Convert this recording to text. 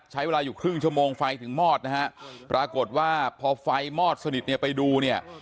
ใช้เวลาอยู่ครึ่งชั่วโมงไฟถึงมอดนะฮะปรากฏว่าพอไฟมอดสนิทเนี่ยไปดูเนี่ย